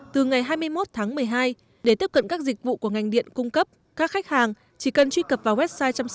từ ngày hai mươi một tháng một mươi hai để tiếp cận các dịch vụ của ngành điện cung cấp các khách hàng chỉ cần truy cập vào website chăm sóc